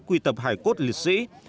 quy tập hải quốc lịch sử